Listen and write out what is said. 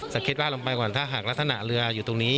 คิดว่าลงไปก่อนถ้าหากลักษณะเรืออยู่ตรงนี้